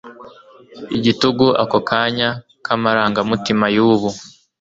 Igitugu ako kanya kamarangamutima yubu